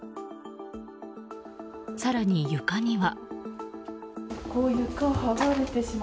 更に床には。